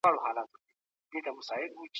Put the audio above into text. د مشرانو خبرې تل د ارزښت وړ ګڼل کیږي.